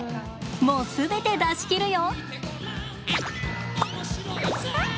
もう全て出し切るよ！